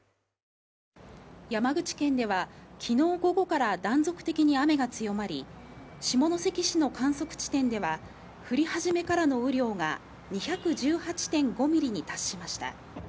山口県では昨日午後から断続的に雨が強まり下関市の観測地点では、降り始めからの雨量が２１８．５ミリに達しました。